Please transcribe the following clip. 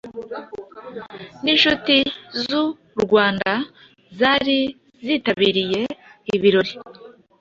n’inshuti z’u Rwanda zari zitabiriye ibirori